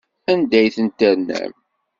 Anda ay ten-ternam?